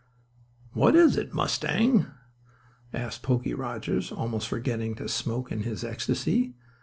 "What is it, Mustang?" asked Poky Rodgers, almost forgetting to smoke in his ecstasy.